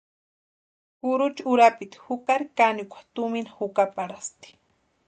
Kurucha urapitinha jukari kanikwa tumina jukaparhasti.